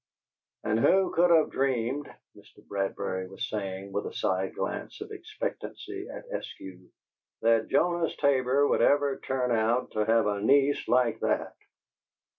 "And who could of dreamed," Mr. Bradbury was saying, with a side glance of expectancy at Eskew, "that Jonas Tabor would ever turn out to have a niece like that!"